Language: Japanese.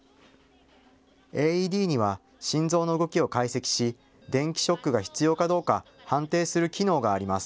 ＡＥＤには心臓の動きを解析し電気ショックが必要かどうか判定する機能があります。